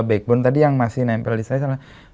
backbone tadi yang masih nempel di saya salah